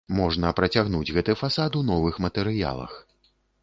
Можна працягнуць гэты фасад у новых матэрыялах.